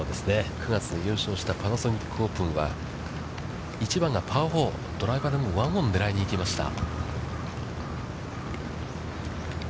９月の優勝したパナソニックオープンでは、１番がパー４、ドライバーでワンオンを狙いに行きました。